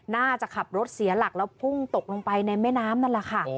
น่าจะขับรถเสียหลักแล้วพุ่งตกลงไปในแม่น้ำนั่นแหละค่ะ